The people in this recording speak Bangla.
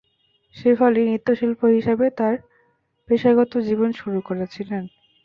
শেফালী নৃত্যশিল্পী হিসাবে তার পেশাগত জীবন শুরু করেছিলেন।